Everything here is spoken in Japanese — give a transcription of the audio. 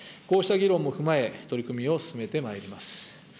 こうした議論も踏まえ、取り組みを進めてまいります。